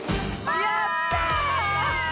やった！